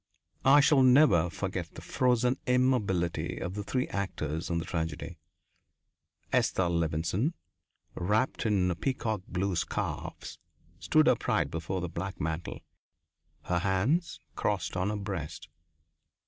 I shall never forget the frozen immobility of the three actors in the tragedy. Esther Levenson, wrapped in peacock blue scarves, stood upright before the black mantel, her hands crossed on her breast.